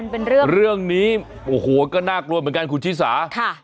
เป็นเรื่องเรื่องนี้โอ้โหก็น่ากลัวเหมือนกันคุณชิสาค่ะ